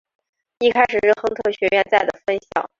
一开始是亨特学院在的分校。